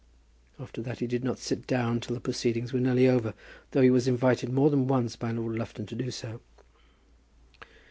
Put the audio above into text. After that he did not sit down till the proceedings were nearly over, though he was invited more than once by Lord Lufton to do so.